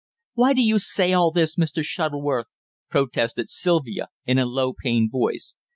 "Why do you say all this, Mr. Shuttleworth?" protested Sylvia in a low, pained voice.